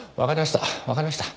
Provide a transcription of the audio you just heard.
わかりました。